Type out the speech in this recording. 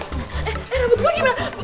eh rambut gue gimana